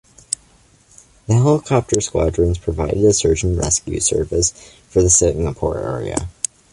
The helicopter squadrons provided a search and rescue service for the Singapore area.